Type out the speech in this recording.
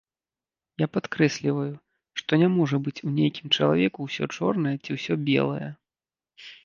Я падкрэсліваю, што не можа быць у нейкім чалавеку ўсё чорнае ці ўсё белае.